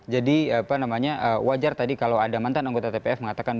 jadi wajar tadi kalau ada mantan anggota tpf mengatakan